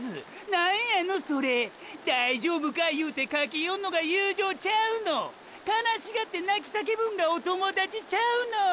何やのそれ大丈夫かいうてかけよんのが友情ちゃうの⁉悲しがって泣き叫ぶんがお友達ちゃうの？